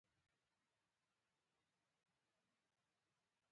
ښایست د زړه نرمښت څرګندوي